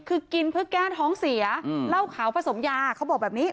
คือกินเพื่อแก้ท้องเสียเหล้าขาวผสมยาเขาบอกแบบนี้